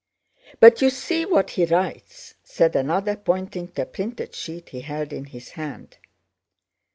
"But you see what he writes..." said another, pointing to a printed sheet he held in his hand.